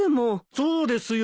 そうですよ。